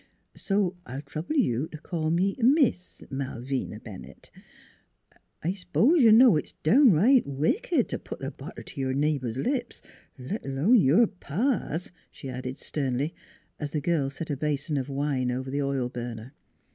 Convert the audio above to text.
So I'll trouble you t' call me Miss Malvina Bennett. ... I s'pose you know it's downright wicked t' put th' bottle t' y'r neighbor's lips let alone your pa's," she added sternly, as the girl set a basin of wine over the oil burner.